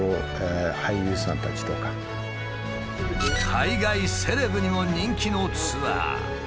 海外セレブにも人気のツアー。